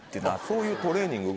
そういうトレーニングが。